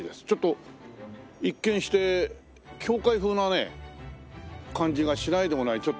ちょっと一見して教会風なね感じがしないでもない